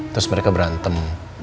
terus mereka berantem